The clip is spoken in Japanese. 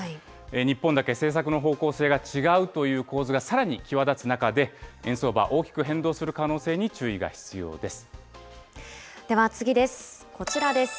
日本だけ政策の方向性が違うという構図がさらに際立つ中で、円相場、大きく変動する可能性に注意では次です。